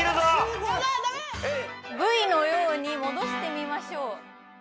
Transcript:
「Ｖ」のように戻してみましょう。